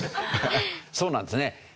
そうなんですね。